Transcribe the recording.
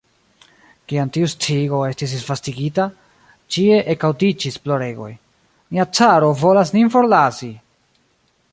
Kiam tiu sciigo estis disvastigita, ĉie ekaŭdiĝis ploregoj: "nia caro volas nin forlasi! »